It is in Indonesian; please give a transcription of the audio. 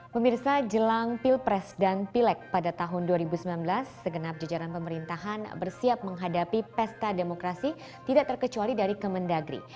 pemirsa jelang pilpres dan pilek pada tahun dua ribu sembilan belas segenap jajaran pemerintahan bersiap menghadapi pesta demokrasi tidak terkecuali dari kemendagri